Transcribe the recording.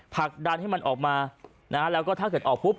ผลักดันให้มันออกมานะฮะแล้วก็ถ้าเกิดออกปุ๊บ